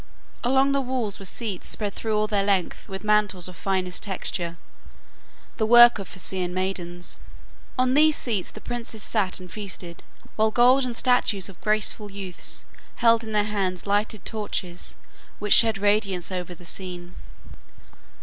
Along the walls were seats spread through all their length with mantles of finest texture, the work of Phaeacian maidens. On these seats the princes sat and feasted, while golden statues of graceful youths held in their hands lighted torches which shed radiance over the scene.